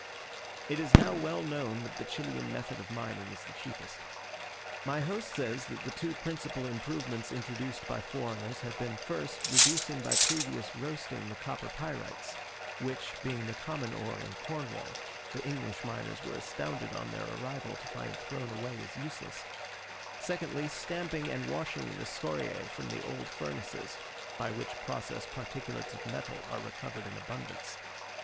It is now well known that the Chilian method of mining is the cheapest. My host says that the two principal improvements introduced by foreigners have been, first, reducing by previous roasting the copper pyrites which, being the common ore in Cornwall, the English miners were astounded on their arrival to find thrown away as useless: secondly, stamping and washing the scoriae from the old furnaces by which process particles of metal are recovered in abundance.